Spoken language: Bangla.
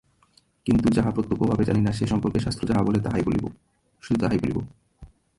কিন্তু যাহা প্রত্যক্ষভাবে জানি না, সে সম্বন্ধে শাস্ত্র যাহা বলে শুধু তাহাই বলিব।